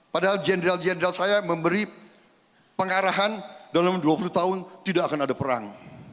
padahal jenderal jenderal saya memberi pengarahan dalam dua puluh tahun tidak akan ada perang